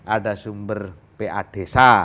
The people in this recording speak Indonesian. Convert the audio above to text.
ada sumber pa desa